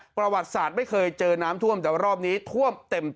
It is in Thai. ประวัติศาสตร์ไม่เคยเจอน้ำท่วมแต่ว่ารอบนี้ท่วมเต็ม